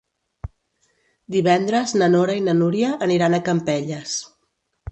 Divendres na Nora i na Núria aniran a Campelles.